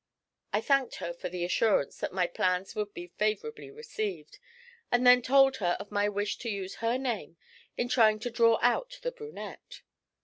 I thanked her for the assurance that my plans would be favourably received, and then told her of my wish to use her name in trying to draw out the brunette.